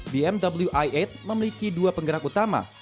bmw i delapan memiliki dua penggerak utama